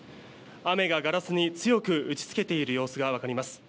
雨がガラスに強く打ちつけている様子が分かります。